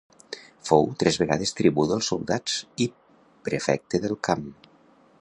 Fou tres vegades tribú dels soldats i prefecte del camp.